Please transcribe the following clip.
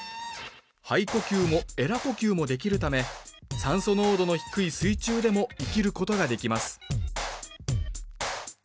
肺呼吸もえら呼吸もできるため酸素濃度の低い水中でも生きることができます